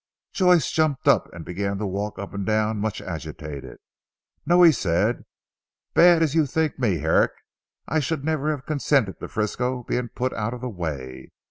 Joyce jumped up and began to walk up and down much agitated. "No," he said, "bad as you think me Herrick, I should never have consented to Frisco being put out of the way.